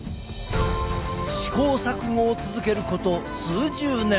試行錯誤を続けること数十年。